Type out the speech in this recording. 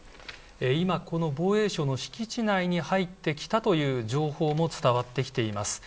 今、防衛省の敷地内に入ってきたという情報も伝わってきています。